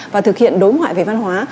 và thực hiện đối ngoại về văn hóa